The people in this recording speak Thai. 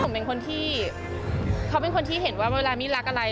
ผมเป็นคนที่เขาเป็นคนที่เห็นว่าเวลามี่รักอะไร